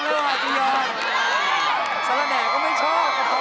สารแน่ก็ไม่ชอบกะเพราก็ไม่ชอบ